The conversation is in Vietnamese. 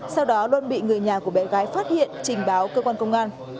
sau đó luân bị người nhà của bé gái phát hiện trình báo cơ quan công an